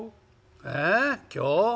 「えっ今日？